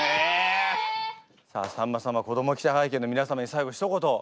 さあさんま様子ども記者会見の皆様に最後ひと言。